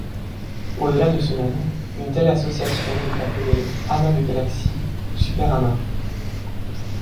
Au-delà de ce nombre, une telle association est appelée amas de galaxies ou superamas.